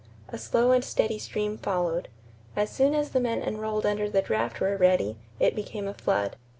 A slow and steady stream followed. As soon as the men enrolled under the draft were ready, it became a flood.